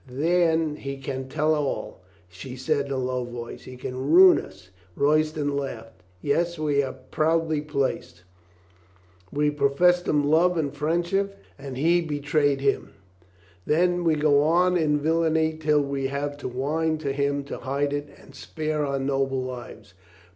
"Then he can tell all," she said in a low voice. "He can ruin us." Royston Laughed. "Yes, we are proudly placed. We professed him love and friendship and be LUCINDA IS LOGICAL 407 trayed him. Then we go on in villainy till we have to whine to him to hide it and spare our noble lives.